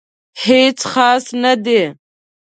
هیڅ خاص نه دي